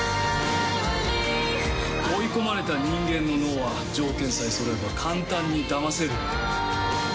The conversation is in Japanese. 追い込まれた人間の脳は条件さえそろえば簡単にだませる。